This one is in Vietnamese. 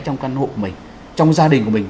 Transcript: trong căn hộ mình trong gia đình của mình